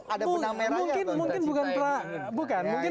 ada benang merahnya atau tidak cipta ini